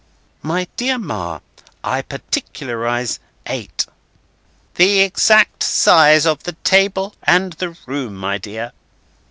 "My dear Ma, I particularise eight." "The exact size of the table and the room, my dear."